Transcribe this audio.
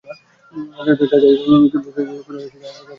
তবে তিনি কোরিয়া এসেই জানতে পারলেন, তাঁকে টুরিস্ট ভিসায় পাঠানো হয়েছে।